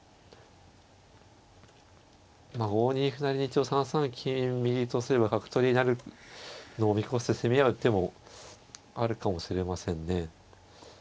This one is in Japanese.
５二歩成に一応３三金右とすれば角取りになるのを見越して攻め合う手もあるかもしれませんね。